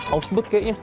aus bet kayaknya